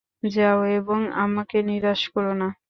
যাও, এবং আমাকে নিরাশ করোনা।